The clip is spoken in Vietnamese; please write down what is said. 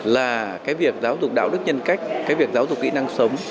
là cái việc giáo dục đạo đức nhân cách cái việc giáo dục kỹ năng sống